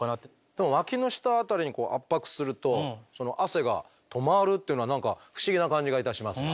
でもワキの下辺りに圧迫すると汗がとまるっていうのは何か不思議な感じがいたしますが。